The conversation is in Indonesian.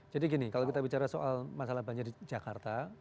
jadi gini kalau kita bicara soal masalah banjir di jakarta